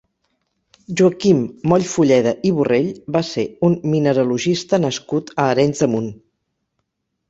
Joaquim Mollfulleda i Borrell va ser un mineralogista nascut a Arenys de Munt.